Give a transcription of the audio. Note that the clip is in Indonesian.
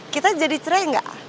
kita jadi cerai nggak